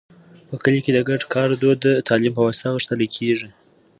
په کلي کې د ګډ کار دود د تعلیم په واسطه غښتلی کېږي.